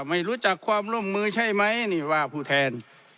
ไม่รู้จักความร่วมมือใช่ไหมนี่ว่าผู้แทน